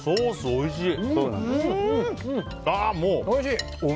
おいしい！